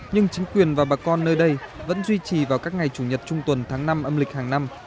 nhưng chính quyền và bà con nơi đây vẫn duy trì vào các ngày chủ nhật trung tuần tháng năm âm lịch hàng năm